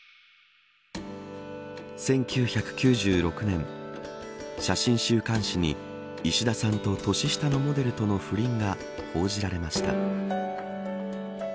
１９９６年、写真週刊誌に石田さんと年下のモデルとの不倫が報じられました。